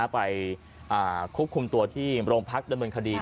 ไปควบคุมตัวที่โรงพักดำเนินคดี